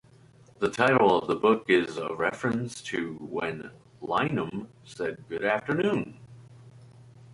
The title of the book is a reference to when Lynam said Good afternoon.